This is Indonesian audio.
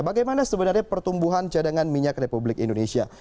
bagaimana sebenarnya pertumbuhan cadangan minyak republik indonesia